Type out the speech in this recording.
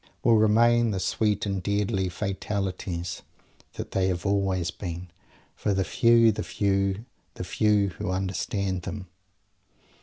will remain the sweet and deadly "fatalities" they have always been for the few, the few, the few who understand them!